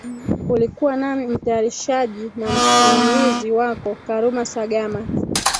ulikuwa nami mtayarishaji na msimlizi wako karuma sagama